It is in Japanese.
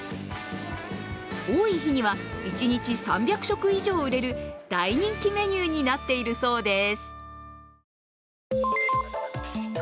多い日には、一日３００食以上売れる大人気メニューになっているそうです。